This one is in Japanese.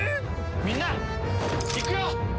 みんないくよ！